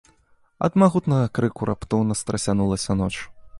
Ад магутнага крыку раптоўна страсянулася ноч.